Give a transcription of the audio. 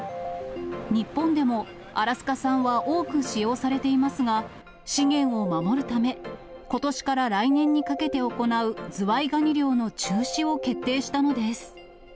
日本でもアラスカ産は多く使用されていますが、資源を守るため、ことしから来年にかけて行うズワイガニ漁の中止を決定したのです。